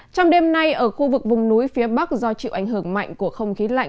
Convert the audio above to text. trong đêm nay ở khu vực vùng núi phía bắc do chịu ảnh hưởng mạnh của không khí lạnh